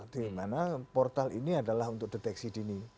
di mana portal ini adalah untuk deteksi dini